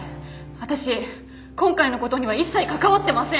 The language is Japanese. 私今回の事には一切関わってません！